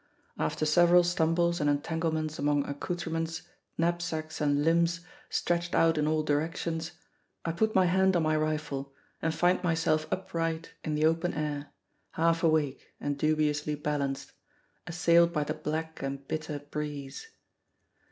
After several stumbles and entanglements among accouterments, knapsacks and limbs stretched out in all directions, I put my hand on my rifle and find myself upright in the open air, half awake and dubiously balanced, assailed by the black and bitter breeze.